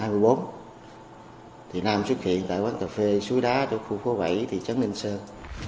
chỉ nam xuất hiện tại quán cà phê suối đá ở khu phố vitiesão parking ninh sơn